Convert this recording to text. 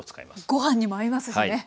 ご飯にも合いますしね。